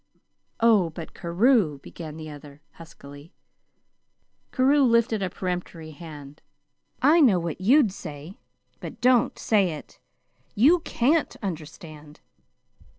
"Oh, but Carew " began the other huskily. Carew lifted a peremptory hand. "I know what you'd say. But don't say it. You can't understand.